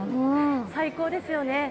最高ですよね。